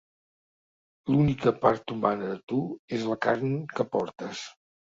L'única part humana de tu és la carn que portes.